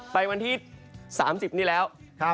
ไปวันที่สามสิบนี่แหละ